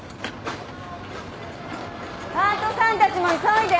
パートさんたちも急いで。